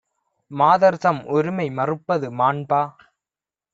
மாதர்தம் உரிமை மறுப்பது மாண்பா?